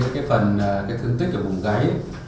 cái phần thương tích ở vùng gáy